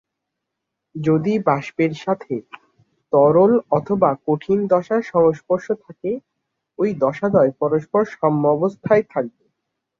যদি বাষ্পের সাথে তরল অথবা কঠিন দশার সংস্পর্শ থাকে, ঐ দশাদ্বয় পরস্পর সাম্যাবস্থায় থাকবে।